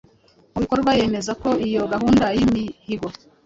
mu bikorwa Yemeza ko iyi gahunda y’imihigo